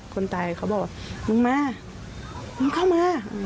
คนตายเขาบอกว่ามึงมามึงเข้ามา